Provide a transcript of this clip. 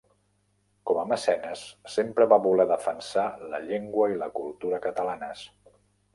Com a mecenes, sempre va voler defensar la llengua i la cultura catalanes.